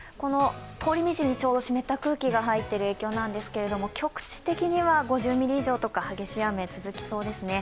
通り道にちょうど湿った空気が入っている影響なんですが、局地的には５０ミリ以上とか激しい雨、続きそうですね。